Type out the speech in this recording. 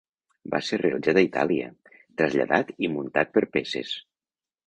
Va ser realitzat a Itàlia, traslladat i muntat per peces.